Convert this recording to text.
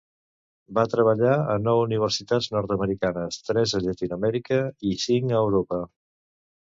Va treballar a nou universitats nord-americanes, tres a Llatinoamèrica i cinc a Europa.